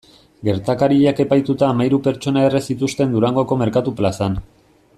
Gertakariak epaituta hamahiru pertsona erre zituzten Durangoko merkatu plazan.